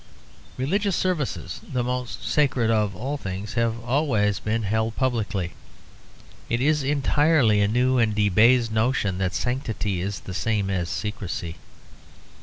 Religious services, the most sacred of all things, have always been held publicly; it is entirely a new and debased notion that sanctity is the same as secrecy.